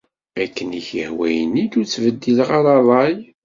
Akken i k-yehwa ini-d, ur ttbeddileɣ ara rray.